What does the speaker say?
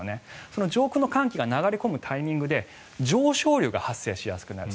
その上空の寒気が流れ込むタイミングで上昇流が発生しやすくなる。